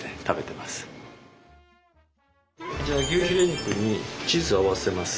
じゃあ牛ヒレ肉にチーズを合わせます。